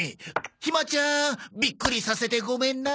ひまちゃんビックリさせてごめんな。